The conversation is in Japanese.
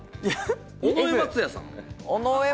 尾上松也さん。